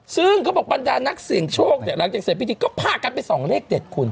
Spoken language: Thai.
ซึ่งเขาบอกบรรดานักเสี่ยงโชคเนี่ยหลังจากเสร็จพิธีก็พากันไปส่องเลขเด็ดคุณ